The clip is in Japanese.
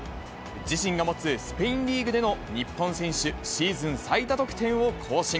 自身が持つスペインリーグでの日本選手シーズン最多得点を更新。